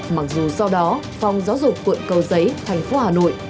mặc dù sau đó phòng giáo dục quận cầu giấy thành phố hà nội